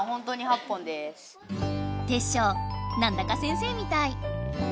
テッショウなんだか先生みたい。